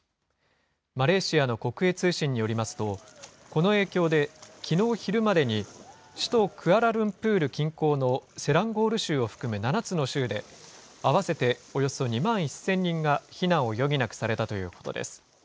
マレーシアの国営通信によりますと、この影響で、きのう昼までに首都クアラルンプール近郊のセランゴール州を含む７つの州で、合わせておよそ２万１０００人が避難を余儀なくされたということです。